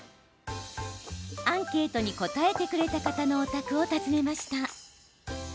アンケートに答えてくれた方のお宅を訪ねました。